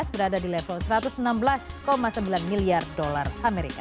berada di level satu ratus enam belas sembilan miliar dolar amerika